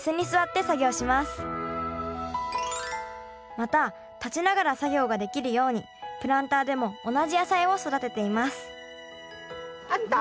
また立ちながら作業ができるようにプランターでも同じ野菜を育てていますあった？